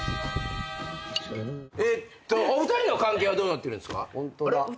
えっとお二人の関係はどうなってるんですか？